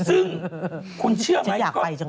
ซึ่งคุณเชื่อไหม